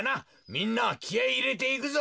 みんなきあいいれていくぞ。